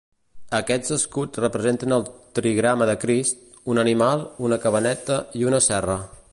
Aquests escuts representen el trigrama de Crist, un animal, una cabaneta i una serra.